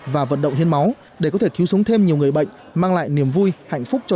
và vận động hiến máu để có thể cứu sống thêm nhiều người bệnh mang lại niềm vui hạnh phúc cho